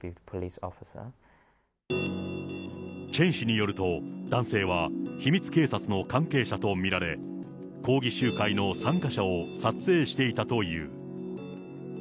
チェン氏によると、男性は秘密警察の関係者と見られ、抗議集会の参加者を撮影していたという。